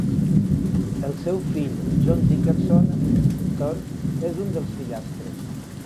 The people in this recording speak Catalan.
El seu fill, John Dickerson, l'escriptor, és un dels fillastres.